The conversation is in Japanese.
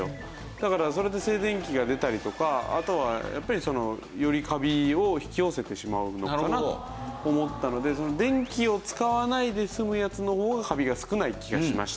だからそれで静電気が出たりとかあとはやっぱりよりカビを引き寄せてしまうのかなと思ったので電気を使わないで済むやつの方がカビが少ない気がしました。